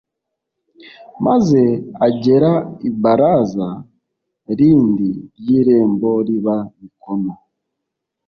Maze agera ibaraza rindi ry irembo riba mikono